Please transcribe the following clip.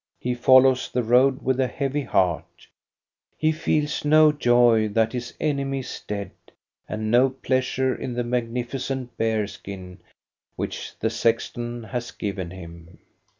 He follows the road with a heavy heart ; he feels no joy that his enemy is dead, and no pleasure in the magnificent bear skin which the sexton has given him.